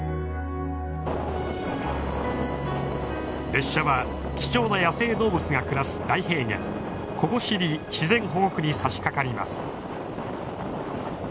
列車は貴重な野生動物が暮らす大平原ココシリ自然保護区にさしかかります。